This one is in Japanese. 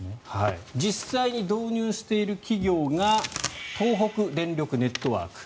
実際に導入している企業が東北電力ネットワーク。